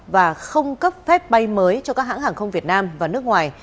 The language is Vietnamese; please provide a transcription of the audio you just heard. và không cấp phép bay mới cho các hãng hàng không việt nam và nước ngoài